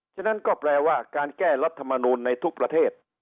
ฉะนั้นก็แปลว่าการแก้รัฐมนูลในทุกประเทศ